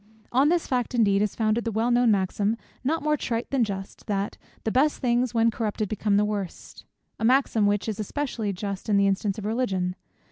On this fact indeed is founded the well known maxim, not more trite than just, that "the best things when corrupted become the worst;" a maxim which is especially just in the instance of Religion.